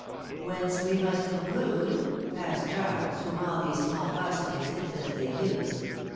^'Whence we must conclude—?" asked Charles, whom all these small gossipings infinitely amused.